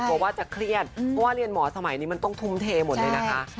กลัวว่าจะเครียดเพราะว่าเรียนหมอสมัยนี้มันต้องทุ่มเทหมดเลยนะคะ